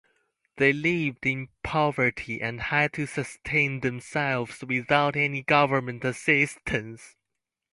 They lived in poverty and had to sustain themselves without any government assistance.